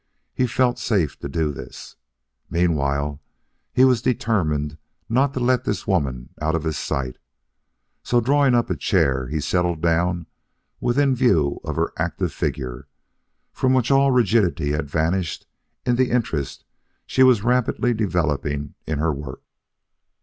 He felt safe to do this. Meanwhile he was determined not to let this woman out of his sight; so, drawing up a chair, he settled down within view of her active figure, from which all rigidity had vanished in the interest she was rapidly developing in her work.